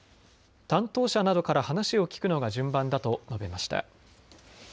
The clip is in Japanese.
担当者などから話を聞くのが順番だと述べました。